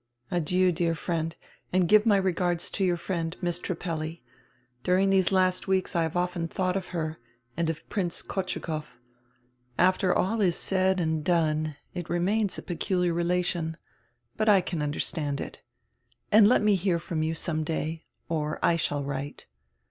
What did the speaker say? Adieu, dear friend, and give my regards to your friend, Miss Trippelli. During these last weeks I have often thought of her and of Prince Kotschu koff. After all is said and done it remains a peculiar rela tion. But I can understand it — and let me hear from you some day. Or I shall write."